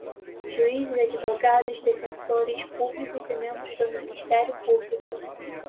juízes, advogados, defensores públicos e membros do Ministério Público